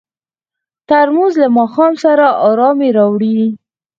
ترموز له ماښام سره ارامي راوړي.